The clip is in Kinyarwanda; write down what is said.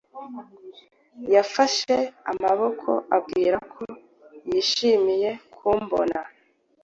Yafashe amaboko ambwira ko yishimiye kumbona.